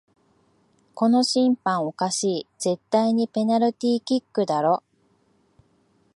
この審判おかしい、絶対にペナルティーキックだろ